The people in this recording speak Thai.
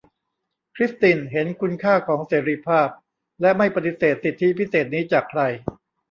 คริสตินเห็นคุณค่าของเสรีภาพ และไม่ปฎิเสธสิทธิพิเศษนี้จากใคร